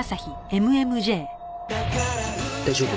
大丈夫？